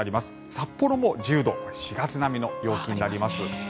札幌も１０度４月並みの陽気になります。